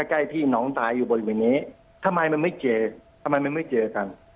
ใกล้พี่น้องตายอยู่บริเวณนี้ทำไมมันไม่เจอทำไมมันไม่เจอกัน